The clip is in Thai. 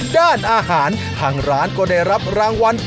ด้านอาหารทางร้านก็ได้รับรางวัล